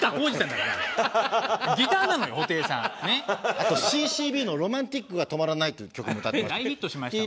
あとＣ−Ｃ−Ｂの『Ｒｏｍａｎｔｉｃが止まらない』っていう曲も歌ってました。